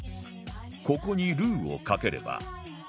ここにルーをかければ